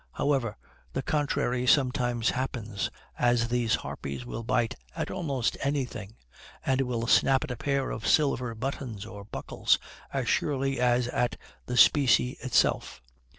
However, the contrary sometimes happens, as these harpies will bite at almost anything, and will snap at a pair of silver buttons, or buckles, as surely as at the specie itself.